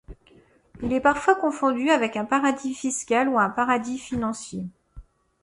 Il est parfois confondu avec un paradis fiscal ou un paradis financier.